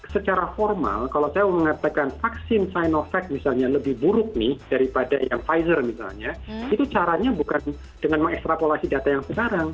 secara formal kalau saya mengatakan vaksin sinovac misalnya lebih buruk nih daripada yang pfizer misalnya itu caranya bukan dengan mengekstrapolasi data yang sekarang